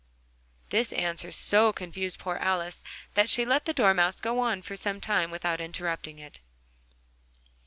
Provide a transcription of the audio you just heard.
This answer so confused poor Alice, that she let the Dormouse go on for some time without interrupting it.